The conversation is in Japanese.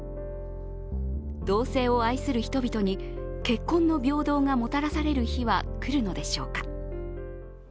同性を愛する人々に結婚の平等がもたらされる日は来るのでしょうか。